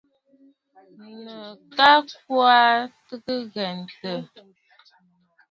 Ŋù a kwo aa tɨ̀ wɛʼɛ̀ ǹtɔ̀ʼɔ̀nə̀.